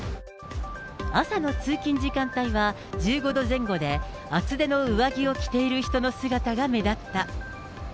朝の通勤時間帯は１５度前後で、厚手の上着を着ている人の姿が目立った。